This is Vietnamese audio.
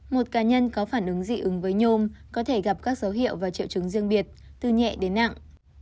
một cá nhân có phản ứng dị ứng với nhôm có thể gặp các dấu hiệu và triệu chứng riêng biệt từ nhẹ đến nặng